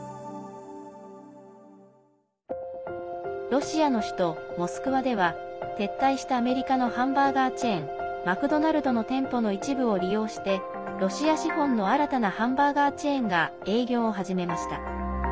ロシアの首都モスクワでは撤退したアメリカのハンバーガーチェーンマクドナルドの店舗の一部を利用してロシア資本の新たなハンバーガーチェーンが営業を始めました。